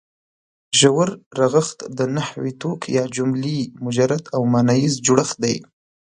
ژور رغښت د نحوي توک یا جملې مجرد او ماناییز جوړښت دی.